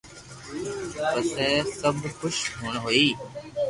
پسي سب خوݾ ھوئي